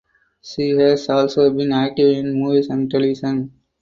She has also been active in movies and television.